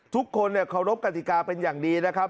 ทุกคนเคารพกติกาเป็นอย่างดีนะครับ